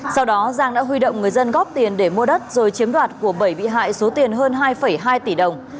sau đó giang đã huy động người dân góp tiền để mua đất rồi chiếm đoạt của bảy bị hại số tiền hơn hai hai tỷ đồng